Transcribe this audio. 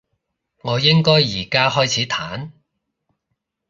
我應該而家開始彈？